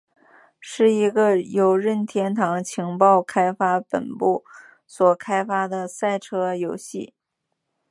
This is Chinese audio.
是一个由任天堂情报开发本部所开发的赛车游戏。